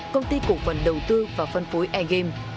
công ty cổ phần đầu tư và phân phối air game